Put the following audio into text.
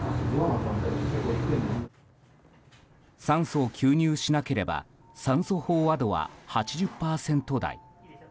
酸素を吸入しなければ酸素飽和度は８０％台。